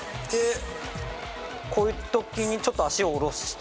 こういう時に脚をちょっと下ろして。